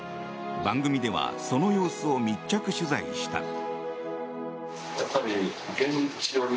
番組ではその様子を密着取材した。